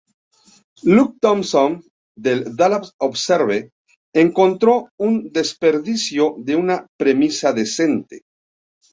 Luke Thompson del "Dallas Observer" encontró "un desperdicio de una premisa decente".